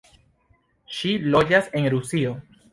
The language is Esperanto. Ŝi loĝas en Rusio.